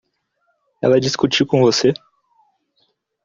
Ela discutiu com você?